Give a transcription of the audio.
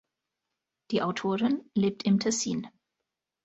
Die Autorin lebt im Tessin.